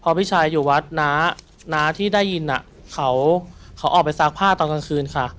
พอพี่ชายอยู่วัดน้าน้าที่ได้ยินเขาออกไปซักผ้าตอนกลางคืนค่ะ